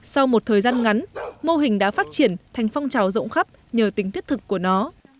sau một thời gian ngắn mô hình đã phát triển thành phong trào rộng khắp nhờ tính thiết thực của nó